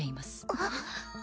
あっ。